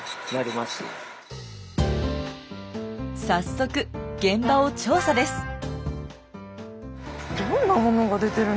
早速現場を調査です。